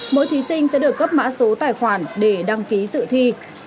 mỗi thí sinh sẽ được cấp mã số tài khoản để đăng ký dự thi